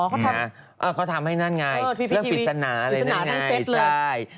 เขาทำให้นั่นไงเลิกฝีศนาเลยนั่นไงใช่